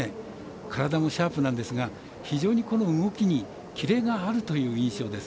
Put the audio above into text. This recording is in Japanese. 体もシャープなんですが非常にこの動きにキレがあるという印象です。